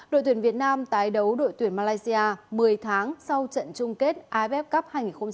đội tuyển việt nam tái đấu đội tuyển malaysia một mươi tháng sau trận chung kết af cup hai nghìn một mươi chín